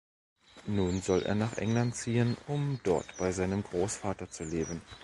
Nun soll er nach England ziehen um dort bei seinem Großvater zu leben.